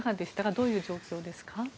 どういう状況ですか？